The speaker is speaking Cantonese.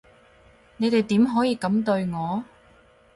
你哋點可以噉對我？